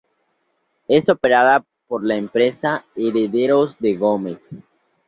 Es operada por la empresa Herederos de Gómez.